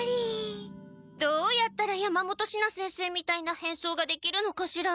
どうやったら山本シナ先生みたいな変装ができるのかしら？